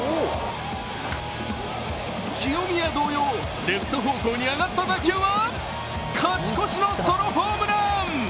清宮同様、レフト方向に上がった打球は勝ち越しのソロホームラン。